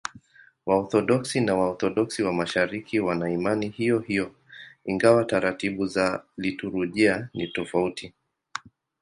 Waorthodoksi na Waorthodoksi wa Mashariki wana imani hiyohiyo, ingawa taratibu za liturujia ni tofauti.